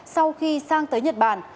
sau khi sang tới nhật bản